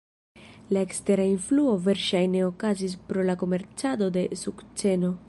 La ekstera influo verŝajne okazis pro la komercado de sukceno.